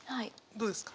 どうですか？